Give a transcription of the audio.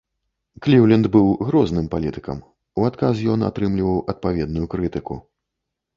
Кліўленд быў грозным палітыкам, у адказ ён атрымліваў адпаведную крытыку.